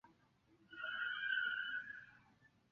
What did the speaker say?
多尼戈尔郡和凯里郡的一处山岬西比尔角也是取景地。